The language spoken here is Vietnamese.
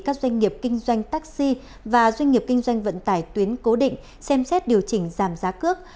các doanh nghiệp kinh doanh taxi và doanh nghiệp kinh doanh vận tải tuyến cố định xem xét điều chỉnh giảm giá cước